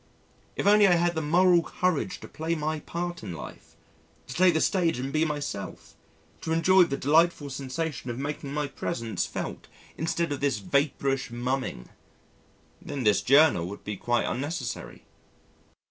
If only I had the moral courage to play my part in life to take the stage and be myself, to enjoy the delightful sensation of making my presence felt, instead of this vapourish mumming then this Journal would be quite unnecessary.